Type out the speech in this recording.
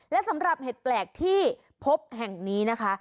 และสำหรับเห็ดแปลกที่พบแห่งนี้นะคะ